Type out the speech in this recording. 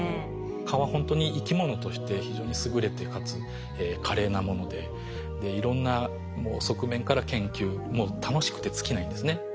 蚊はほんとに生き物として非常に優れてかつ華麗なものでいろんな側面から研究もう楽しくて尽きないんですね。